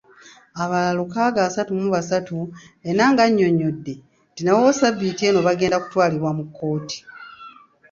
Abalala lukaaga asatu mu basatu, Enanga annyonnyodde nti nabo ssabbiiti eno bagenda kutwalibwa mu kkooti.